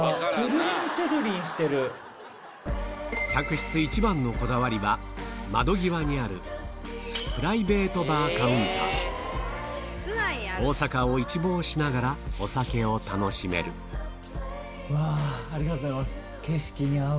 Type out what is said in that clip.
客室一番のこだわりは窓際にあるプライベート大阪を一望しながらお酒を楽しめるうわありがとうございます。